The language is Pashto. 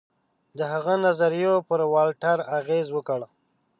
د هغه نظریو پر والټر اغېز وکړ.